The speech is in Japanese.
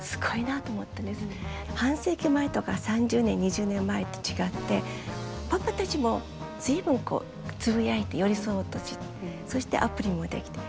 半世紀前とか３０年２０年前と違ってパパたちも随分つぶやいて寄り添おうとしてそしてアプリも出来て。